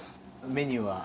メニューは？